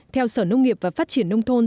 theo sở nông nghiệp và phát triển nông thôn